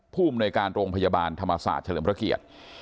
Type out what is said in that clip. ภูมิในการโรงพยาบาลธรรมศาสตร์เฉลิมพระเกียรติ